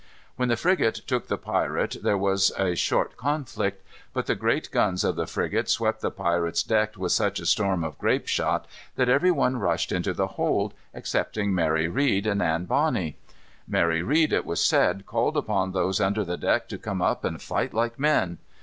When the frigate took the pirate there was a short conflict. But the great guns of the frigate swept the pirate's deck with such a storm of grape shot, that every one rushed into the hold, excepting Mary Read and Anne Bonny. Mary Read, it was said, called upon those under the deck to come up and fight like men.